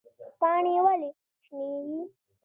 پاڼې ولې شنې وي؟